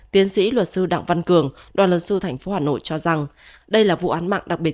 tiến sĩ luật sư đặng văn cường đoàn luật sư tp hà nội cho rằng đây là vụ án mạng đặc biệt